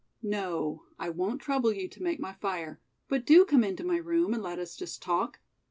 "No, I won't trouble you to make my fire, but do come into my room and let us just talk.